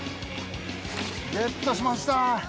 ゲットしました。